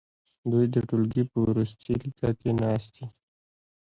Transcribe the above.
دوی د ټوولګي په وروستي لیکه کې ناست دي.